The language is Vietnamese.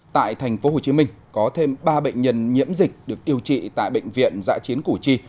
tại tp hcm có thêm ba bệnh nhân nhiễm dịch được điều trị tại bệnh viện giã chiến củ chi